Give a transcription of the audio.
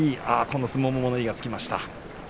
この相撲も物言いがつきました。